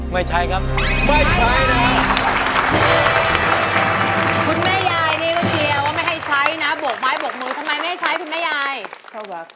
ไม่ใช้ครับ